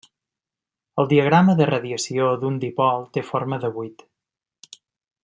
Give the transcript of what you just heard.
El diagrama de radiació d'un dipol té forma de vuit.